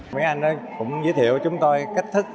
mấy anh ấy cũng giới thiệu cho chúng tôi cách thức